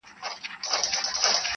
د ځنګله پاچا ولاړ په احترام سو -